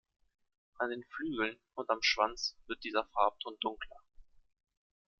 An den Flügeln und am Schwanz wird dieser Farbton dunkler.